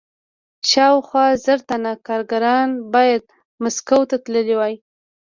شاوخوا زر تنه کارګران باید مسکو ته تللي وای